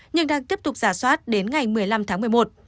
nhưng đang tiếp tục giả soát đến ngày một mươi năm tháng một mươi một